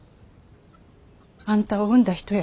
あんたを産んだ人や。